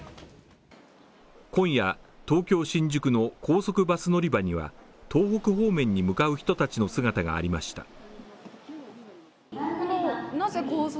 今夜、東京・新宿の高速バス乗り場には東北方面に向かう人たちの姿がありました。